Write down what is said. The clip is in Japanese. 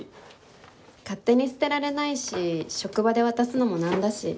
勝手に捨てられないし職場で渡すのもなんだし。